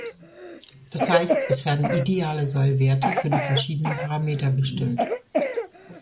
Das heißt, es werden ideale Sollwerte für die verschiedenen Parameter bestimmt.